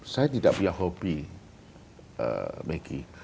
saya tidak punya hobi megi